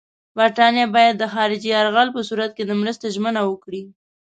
برټانیه باید د خارجي یرغل په صورت کې د مرستې ژمنه وکړي.